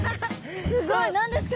すごい！何ですか？